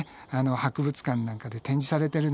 博物館なんかで展示されてるんだよね。